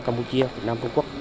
campuchia việt nam trung quốc